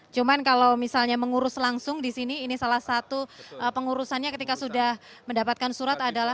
cuma kalau misalnya mengurus langsung di sini ini salah satu pengurusannya ketika sudah mendapatkan surat adalah